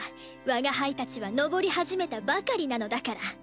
我が輩たちは登りはじめたばかりなのだから。